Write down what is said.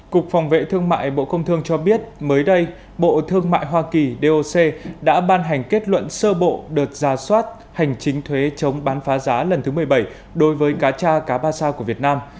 cục phòng vệ thương mại bộ công thương cho biết mới đây bộ thương mại hoa kỳ doc đã ban hành kết luận sơ bộ đợt ra soát hành chính thuế chống bán phá giá lần thứ một mươi bảy đối với cá cha cá ba sao của việt nam